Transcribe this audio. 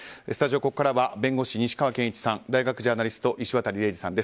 スタジオ、ここからは弁護士の西川研一さん大学ジャーナリスト石渡嶺司さんです。